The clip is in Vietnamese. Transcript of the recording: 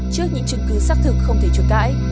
trước những chứng cứ xác thực không thể chối cãi